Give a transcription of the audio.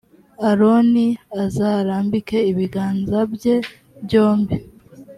aroni azarambike ibiganza bye byombi